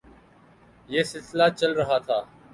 یہ سلسلہ چل رہا تھا۔